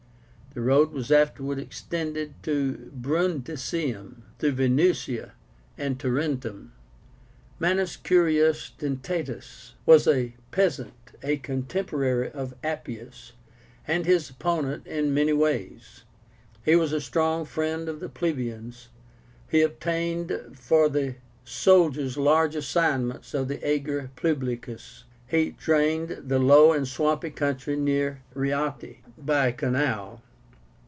The road was afterward extended to Brundisium, through Venusia and Tarentum. MANIUS CURIUS DENTÁTUS was a peasant, a contemporary of Appius, and his opponent in many ways. He was a strong friend of the plebeians. He obtained for the soldiers large assignments of the Ager Publicus. He drained the low and swampy country near Reáte by a canal.